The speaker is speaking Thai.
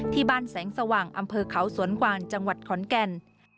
แสงสว่างอำเภอเขาสวนกวางจังหวัดขอนแก่น